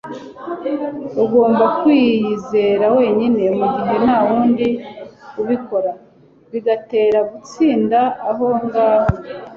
Ugomba kwiyizera wenyine mugihe ntawundi ubikora - bigutera gutsinda aho ngaho.